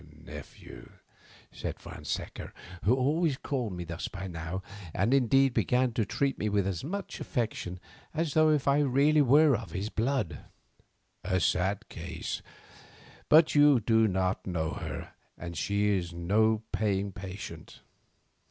nephew," said Fonseca, who always called me thus by now, and indeed began to treat me with as much affection as though I were really of his blood, "a sad case, but you do not know her and she is no paying patient.